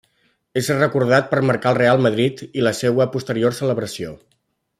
És recordat per marcar al Reial Madrid i la seua posterior celebració.